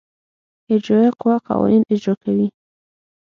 اجرائیه قوه قوانین اجرا کوي.